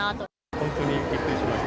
本当にびっくりしました。